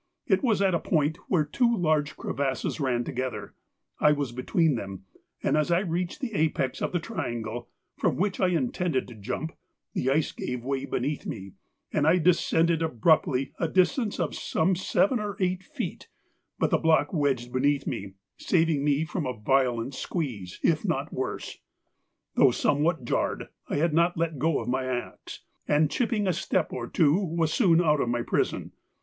It was at a point where two large crevasses ran together; I was between them, and as I reached the apex of the triangle, from which I intended to jump, the ice gave way beneath me, and I descended abruptly a distance of some seven or eight feet, but the block wedged beneath me, saving me from a violent squeeze, if not worse. Though somewhat jarred, I had not let go of my axe, and chipping a step or two, was soon out of my prison.